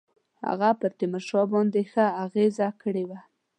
هغه پر تیمورشاه باندي ښه اغېزه کړې وه.